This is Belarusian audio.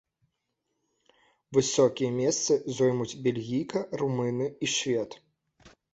Высокія месцы зоймуць бельгійка, румыны і швед.